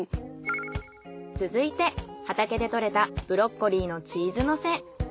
続いて畑で採れたブロッコリーのチーズのせ。